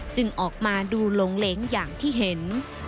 ออกมาดูหลงเล้งอย่างที่เห็น